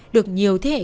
được nhiều thế hệ